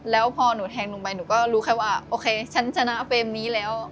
แล้วพอหนูแทงหนูไปหนูก็รู้แค่ว่าโอเคฉันชนะเฟรมนี้แล้ว